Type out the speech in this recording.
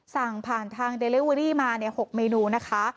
สั่งผ่านทางเดลิเวอรี่มา๖เมนูนะคะ